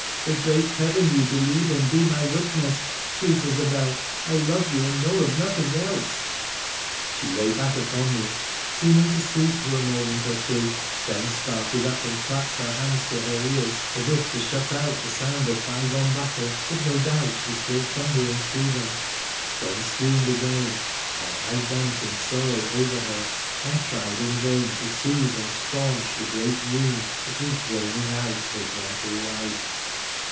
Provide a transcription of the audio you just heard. ' The great Heaven you believe in be my witness, sweet Isobel ! I love you, and know of nothing else !' She lay back upon me, seeming to sleep for a moment or two, then started up and clapped her hands to her ears, as if to shut out the sound of bygone battle that no doubt was still thundering through them, then swooned again, while I bent in sorrow over her and tried in vain to soothe and stanch the great wound that was draining out her gentle life.